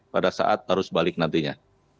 pada saat arus balik nantinya